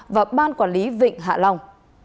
và ban quản lý vịnh hạ long